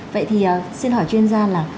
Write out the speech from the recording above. vậy thì xin hỏi chuyên gia là